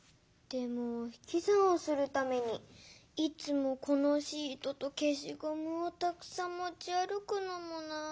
でもひきざんをするためにいつもこのシートとけしごむをたくさんもちあるくのもなあ。